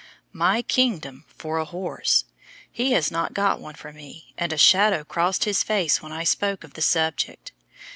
"My kingdom for a horse!" He has not got one for me, and a shadow crossed his face when I spoke of the subject.